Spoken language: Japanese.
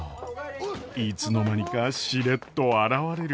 いつの間にかしれっと現れる賢秀。